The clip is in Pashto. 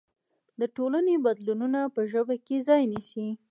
د ټولنې بدلونونه په ژبه کې ځای نيسي.